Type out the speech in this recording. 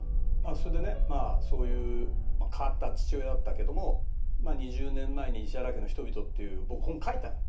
それでねまあそういう変わった父親だったけども２０年前に『石原家の人びと』っていう僕本書いたの。